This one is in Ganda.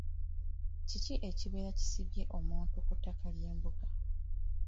Kiki ekibeera kyesibya omuntu ku ttaka ly'embuga?